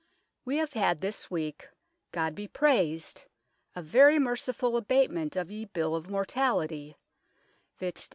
Wee have had this weeke, God be praysed ! a very mercifull abatement of ye bill of mortality, vizt.